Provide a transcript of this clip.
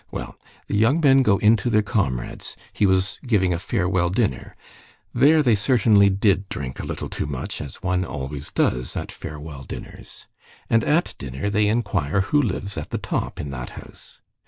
Well, the young men go in to their comrade's; he was giving a farewell dinner. There they certainly did drink a little too much, as one always does at farewell dinners. And at dinner they inquire who lives at the top in that house.